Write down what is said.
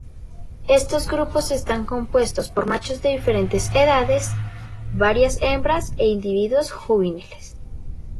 Estos grupos están compuestos por machos de diferentes edades, varias hembras e individuos juveniles.